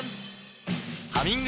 「ハミング」